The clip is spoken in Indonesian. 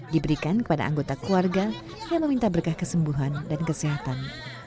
diberikan kepada anggota keluarga yang meminta berkah kesembuhan dan kesehatan